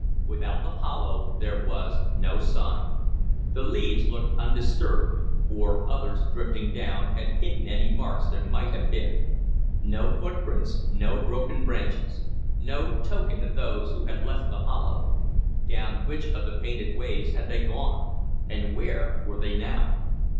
Without the hollow there was no sign. The leaves looked undisturbed, or others, drifting down, had hidden any marks there might have been; no footprints, no broken branches, no token of those who had left the hollow. Down which of the painted ways had they gone, and where were they now?